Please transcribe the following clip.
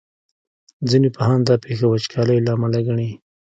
ځینې پوهان دا پېښه وچکالۍ له امله ګڼي.